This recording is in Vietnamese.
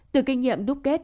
từ kinh nghiệm đúc kết